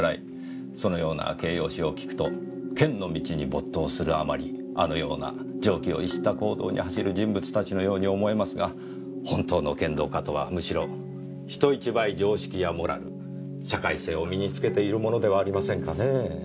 そのような形容詞を聞くと剣の道に没頭するあまりあのような常軌を逸した行動に走る人物たちのように思えますが本当の剣道家とはむしろ人一倍常識やモラル社会性を身につけているものではありませんかねぇ。